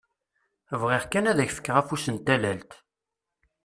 Bɣiɣ kan ad ak-d-fkeɣ afus n tallalt!